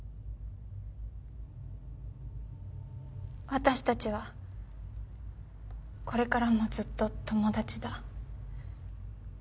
私たちはこれからもずっと友達だ。